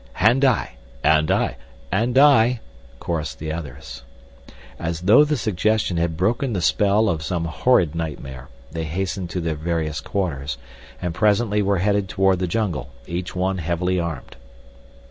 "And I"—"And I"—"And I," chorused the others. As though the suggestion had broken the spell of some horrid nightmare they hastened to their various quarters, and presently were headed toward the jungle—each one heavily armed.